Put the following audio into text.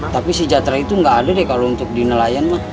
tapi sejahtera itu nggak ada deh kalau untuk di nelayan mah